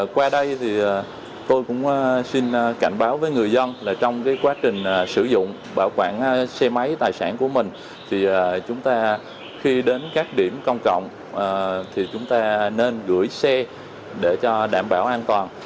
qua đây thì tôi cũng xin cảnh báo với người dân là trong quá trình sử dụng bảo quản xe máy tài sản của mình thì chúng ta khi đến các điểm công cộng thì chúng ta nên gửi xe để cho đảm bảo an toàn